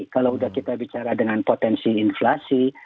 kalau sudah kita bicara dengan potensi inflasi